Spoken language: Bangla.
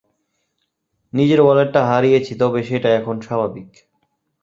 নিজের ওয়ালেটটা হারিয়েছি, তবে সেটা এখন স্বাভাবিক।